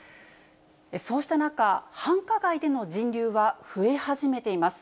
そうした中、繁華街での人流は増え始めています。